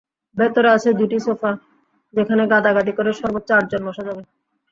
ভেতরে আছে দুটি সোফা, যেখানে গাদাগাদি করে সর্বোচ্চ আটজন বসা যাবে।